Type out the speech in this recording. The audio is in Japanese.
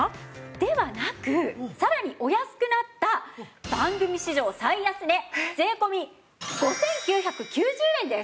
ではなくさらにお安くなった番組史上最安値税込５９９０円です。